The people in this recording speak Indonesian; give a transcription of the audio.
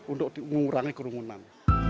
untuk mengurangi kerumunan